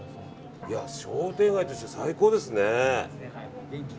商店街として最高ですね。